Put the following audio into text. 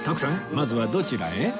まずはどちらへ？